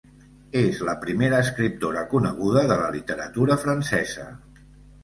És la primera escriptora coneguda de la literatura francesa.